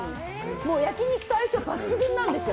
もう、焼き肉と相性抜群なんですよ。